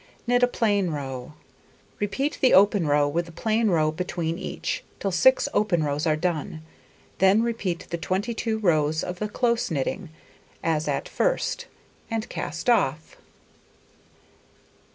Knit a plain row. Repeat the open row, with a plain row between each, till 6 open rows are done; then repeat the 22 rows of the close knitting, as at first, and cast off.